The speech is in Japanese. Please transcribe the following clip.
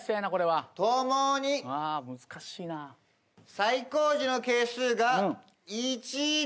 最高次の係数が１で。